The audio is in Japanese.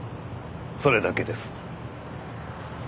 それだけです。